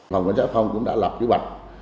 phòng cảnh sát phòng cũng đã lập chứ bạch